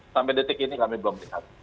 sampai detik ini kami belum lihat